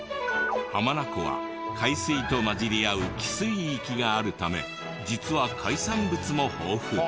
浜名湖は海水と混じり合う汽水域があるため実は海産物も豊富。